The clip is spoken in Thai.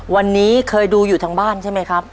วันนี้เคยดูอยู่ทางบ้านใช่ไหมครับ